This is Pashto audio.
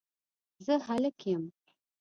زه هلک یم